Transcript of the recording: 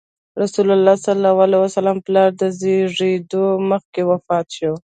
رسول الله ﷺ پلار د زېږېدو مخکې وفات شو.